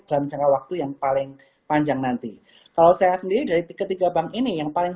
dalam jangka waktu yang paling panjang nanti kalau saya sendiri dari ketiga bank ini yang paling